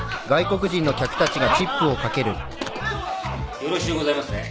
よろしゅうございますね？